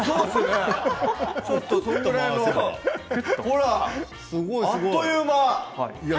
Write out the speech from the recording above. ほら、あっという間。